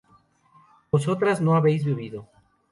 vosotras no habéis vivido